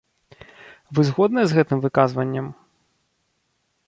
Вы згодныя з гэтым выказваннем?